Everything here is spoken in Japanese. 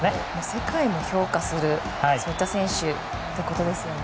世界も評価するそういった選手ってことですね。